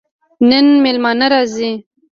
نن مېلمانه راځي